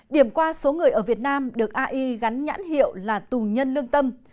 điểm qua số người ở việt nam được ai gắn nhãn hiệu là tù nhân lương tâm